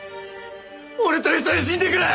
俺と一緒に死んでくれ！